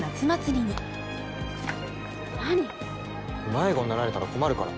迷子になられたら困るから。